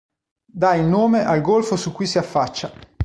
Dà il nome al golfo su cui si affaccia.